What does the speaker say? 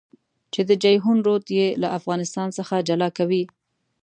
چې د جېحون رود يې له افغانستان څخه جلا کوي.